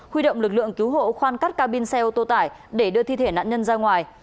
huy động lực lượng cứu hộ khoan cắt ca bin xe ô tô tải để đưa thi thể nạn nhân ra ngoài